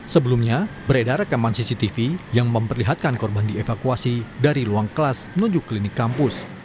sebelumnya beredar rekaman cctv yang memperlihatkan korban dievakuasi dari ruang kelas menuju klinik kampus